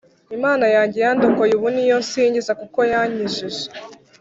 imana yanjye yandokoye ubu, niyo nsingiza kuko yankijije